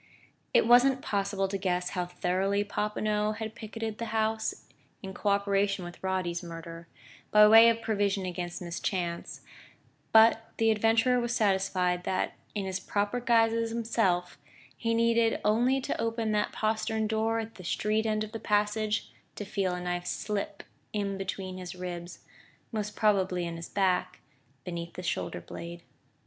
It wasn't possible to guess how thoroughly Popinot had picketed the house, in co operation with Roddy's murderer, by way of provision against mischance; but the adventurer was satisfied that, in his proper guise as himself, he needed only to open that postern door at the street end of the passage, to feel a knife slip in between his ribs most probably in his back, beneath the shoulder blade....